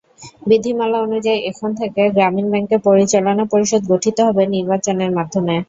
বিধিমালা অনুযায়ী, এখন থেকে গ্রামীণ ব্যাংকের পরিচালনা পরিষদ গঠিত হবে নির্বাচনের মাধ্যমে।